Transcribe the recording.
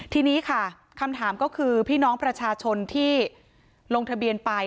ทีนี้ค่ะคำถามก็คือพี่น้องประชาชนที่ลงทะเบียนไป